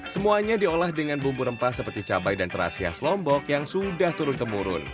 semuanya diolah dengan bumbu rempah seperti cabai dan terasi khas lombok yang sudah turun temurun